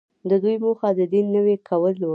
د دوی موخه د دین نوی کول وو.